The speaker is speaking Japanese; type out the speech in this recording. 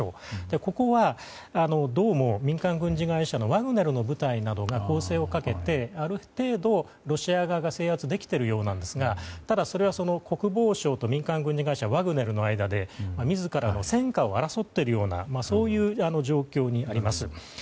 ここはどうも民間軍事会社のワグネルの部隊などが攻勢をかけてある程度、ロシア側が制圧できているようなんですがただそれは国防省と民間軍事会社ワグネルの間で自らの戦果を争っているような状況にあります。